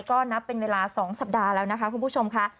ก็นับเป็นเวลา๒สัปดาห์แล้วนะคะคุณผู้ชมค่ะ